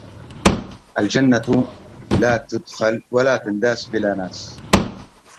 الفارس بدون سيدة مثل الجسد بدون روح.